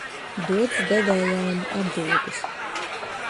Dots devējām atdodas.